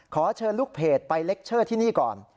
ขอเชิญลูกเพจไปเล็กเชอร์ที่นี่ก่อน